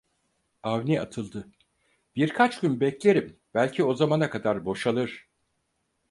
Avni atıldı: Birkaç gün beklerim, belki o zamana kadar boşalır.